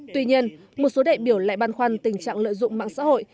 tuy nhiên một số đại biểu lại băn khoăn tình trạng lợi dụng mạng xã hội